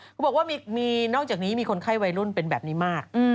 เขาบอกว่ามีนอกจากนี้มีคนไข้วัยรุ่นเป็นแบบนี้มาก